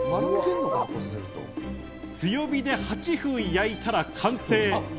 強火で８分焼いたら完成。